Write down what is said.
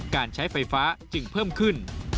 การใช้ไฟฟ้าจึงเพิ่มขึ้น